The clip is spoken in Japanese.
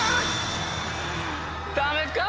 ダメか！